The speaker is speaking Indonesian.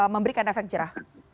memberikan efek jera